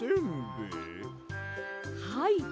はい！